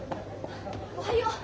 おはよう！